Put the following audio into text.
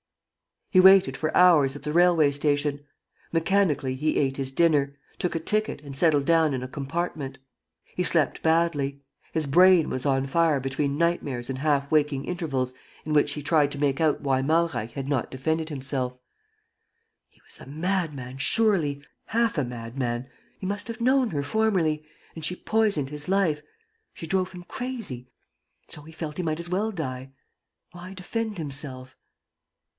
He waited for hours at the railway station. Mechanically, he ate his dinner, took a ticket and settled down in a compartment. He slept badly. His brain was on fire between nightmares and half waking intervals in which he tried to make out why Malreich had not defended himself: "He was a madman ... surely ... half a madman. ... He must have known her formerly ... and she poisoned his life ... she drove him crazy. ... So he felt he might as well die. ... Why defend himself?"